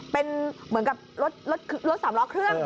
เป็นเหมือนกับรถสามล้อเครื่อง